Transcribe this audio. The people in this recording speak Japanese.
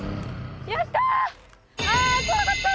やった！